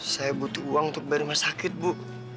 saya butuh uang untuk bayar rumah sakit bu